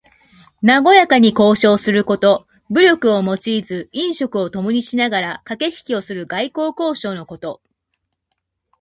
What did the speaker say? なごやかに交渉すること。武力を用いず飲食をともにしながらかけひきをする外交交渉のこと。